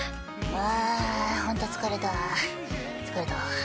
あホント疲れた疲れた。